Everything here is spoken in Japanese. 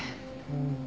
うん。